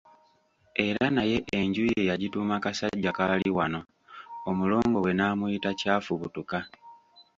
Era naye enju ye yagituuma Kasajjakaaliwano, omulongo we n'amuyita Kyafubutuka.